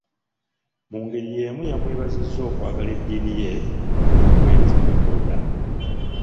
Mu ngeri yemu yamwebazizza okwagala eddiini ye n'okuweereza Katonda.